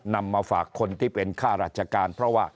นำมาฝากคนที่เป็นค่าราชการ